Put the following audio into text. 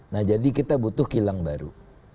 nah jadi kita butuh kilang baru